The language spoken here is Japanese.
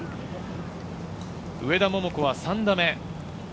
上田桃子は３打目。